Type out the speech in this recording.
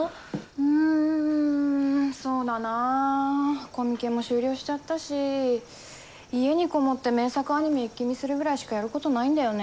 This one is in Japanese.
うんそうだなコミケも終了しちゃったし家に籠もって名作アニメ一気見するくらいしかやることないんだよね。